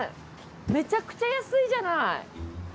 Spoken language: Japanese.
めちゃくちゃ安いじゃない。